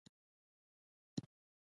اختر ته ځکه خوشحالیږم .